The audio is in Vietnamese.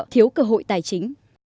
thiếu cơ hội tài chính